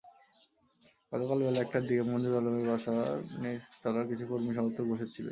গতকাল বেলা একটার দিকে, মনজুর আলমের বাসার নিচতলায় কিছু কর্মী-সমর্থক বসে ছিলেন।